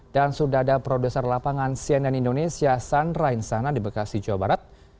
dan sudah ada produser lapangan sien dan indonesia sandra insana di bekasi jawa barat